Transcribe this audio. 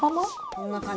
こんな感じ。